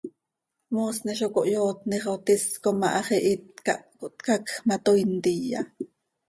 Moosni zo cohyootni xo tis com ah hax ihít cah cohtcacj ma, toii ntiya.